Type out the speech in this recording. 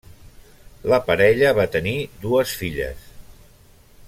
La parella va tenir dues filles.